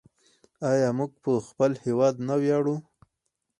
آیا موږ په خپل هیواد نه ویاړو؟